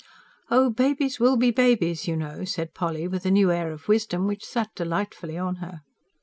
"Oh, babies will be babies, you know!" said Polly, with a new air of wisdom which sat delightfully on her.